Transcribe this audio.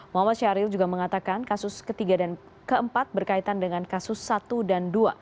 muhammad syahril juga mengatakan kasus ketiga dan keempat berkaitan dengan kasus satu dan dua